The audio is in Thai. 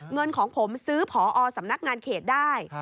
เงินของผมซื้อพอสำนักงานเขตได้